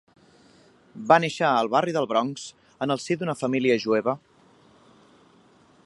Va néixer al barri de Bronx en el si d'una família jueva.